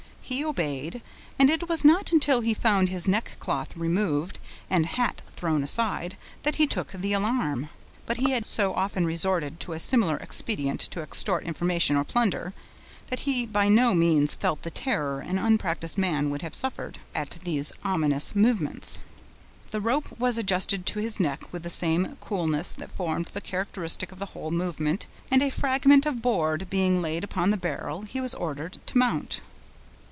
He obeyed; and it was not until he found his neckcloth removed, and hat thrown aside, that he took the alarm. But he had so often resorted to a similar expedient to extort information, or plunder, that he by no means felt the terror an unpracticed man would have suffered, at these ominous movements. The rope was adjusted to his neck with the same coolness that formed the characteristic of the whole movement, and a fragment of board being laid upon the barrel, he was ordered to mount.